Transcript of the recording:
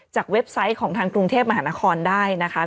เว็บไซต์ของทางกรุงเทพมหานครได้นะคะ